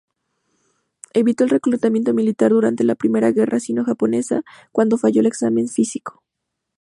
Evitó el reclutamiento militar durante la Primera guerra sino-japonesa cuando falló el examen físico.